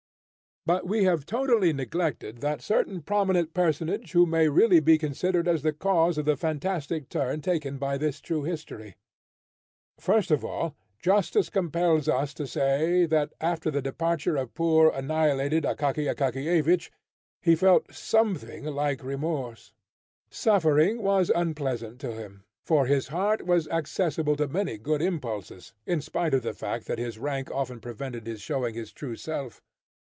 But we have totally neglected that certain prominent personage who may really be considered as the cause of the fantastic turn taken by this true history. First of all, justice compels us to say, that after the departure of poor, annihilated Akaky Akakiyevich, he felt something like remorse. Suffering was unpleasant to him, for his heart was accessible to many good impulses, in spite of the fact that his rank often prevented his showing his true self.